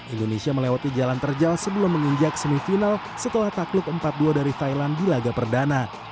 indonesia melewati jalan terjal sebelum menginjak semifinal setelah takluk empat dua dari thailand di laga perdana